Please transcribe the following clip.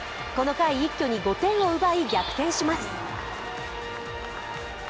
この回一挙に５点を奪い、逆転します。